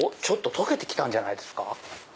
ちょっと溶けて来たんじゃないですか？